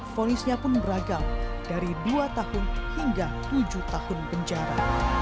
fonisnya pun beragam dari dua tahun hingga tujuh tahun penjara